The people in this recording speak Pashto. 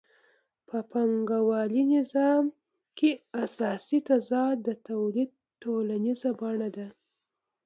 په پانګوالي نظام کې اساسي تضاد د تولید ټولنیزه بڼه ده